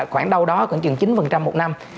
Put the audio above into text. khoảng đâu đó khoảng chín một năm